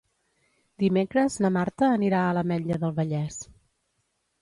Dimecres na Marta anirà a l'Ametlla del Vallès.